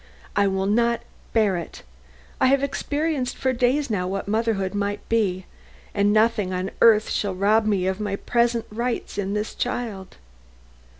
I will not bear it. I have experienced for days now what motherhood might be, and nothing on earth shall rob me of my present rights in this child."